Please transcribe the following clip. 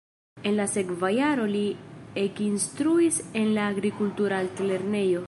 En la sekva jaro li ekinstruis en la agrikultura altlernejo.